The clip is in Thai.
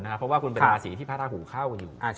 เพราะว่าคุณเป็นราศีที่พระราหูเข้ากันอยู่